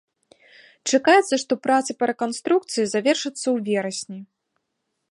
Чакаецца, што працы па рэканструкцыі завершацца ў верасні.